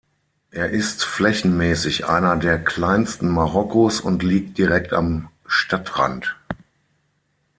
Er ist flächenmäßig einer der kleinsten Marokkos und liegt direkt am Stadtrand.